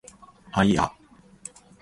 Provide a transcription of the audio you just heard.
あいあ